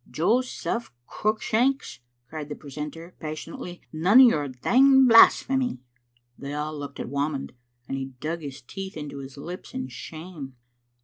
"Joseph Cruickshanks," cried the precentor, passion ately, "none o' your d —— d blasphemy!" They all looked at Whamond, and he dug his teeth into his lips in shame.